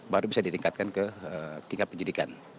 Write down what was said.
baru bisa ditingkatkan ke tingkat penyidikan